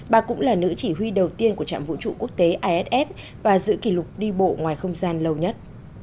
bà cũng là nữ chỉ huy đầu tiên của trạm vũ trụ quốc tế iss và giữ kỷ lục đi bộ ngoài không gian lâu nhất